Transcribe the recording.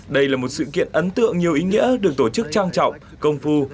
đây là một sự kiện ấn tượng nhiều ý nghĩa được tổ chức trang trọng công phu